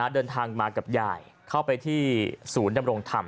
เดินทางมากับยายเข้าไปที่ศูนย์ดำรงธรรม